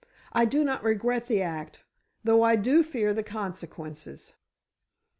I do not regret the act—though I do fear the consequences."